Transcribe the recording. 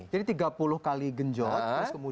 jadi tiga puluh kali kenjot